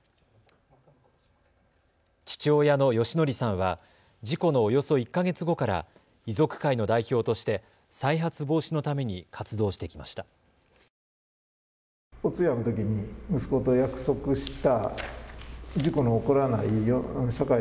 父親の義則さんは事故のおよそ１か月後から遺族会の代表として再発防止のために活動してきました。